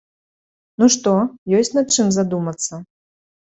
Ну што, ёсць над чым задумацца?